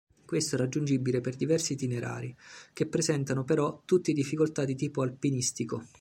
Questo è raggiungibile per diversi itinerari, che presentano però tutti difficoltà di tipo alpinistico.